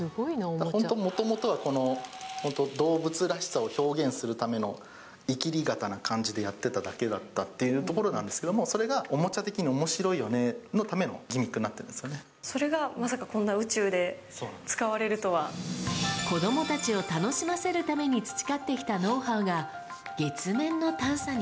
本当、もともとはこの本当、動物らしさを表現するためのいきり肩な感じでやってただけだったっていうところなんですけども、それがおもちゃ的におもしろいよねのためのギミックになってるんそれが、子どもたちを楽しませるために培ってきたノウハウが、月面の探査に。